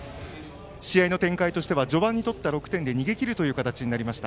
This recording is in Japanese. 試合の展開としては序盤に取った６点で逃げ切るという形になりました。